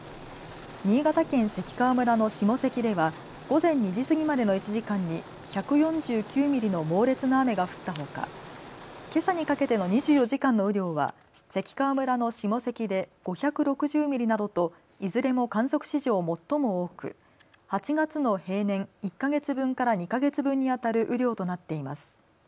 新潟県関川村の下関では午前２時過ぎまでの１時間に１４９ミリの猛烈な雨が降ったほか、けさにかけての２４時間の雨量は関川村の下関で５６０ミリなどといずれも観測史上最も多く８月の平年１か月分から２か月分にあたる雨量となっています。